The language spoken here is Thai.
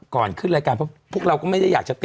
ก่อนขึ้นรายการพวกเราก็ไม่ได้อยากจะติด